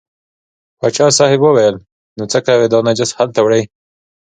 پاچا صاحب وویل نو څه کوې دا نجس هلته وړې.